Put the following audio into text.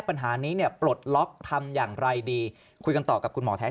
ปัญหานี้เนี่ยปลดล็อกทำอย่างไรดีคุยกันต่อกับคุณหมอแท้